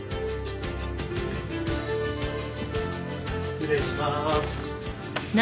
失礼します。